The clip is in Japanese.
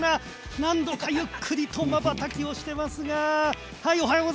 何度か、ゆっくりとまばたきをしておりますが。